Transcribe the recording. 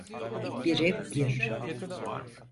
Bire bir.